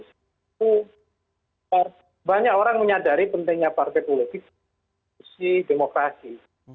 itu banyak orang menyadari pentingnya partai politik demokrasi